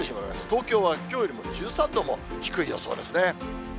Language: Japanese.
東京はきょうよりも１３度も低い予想ですね。